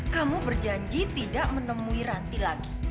kamu berjanji tidak menemui ranti lagi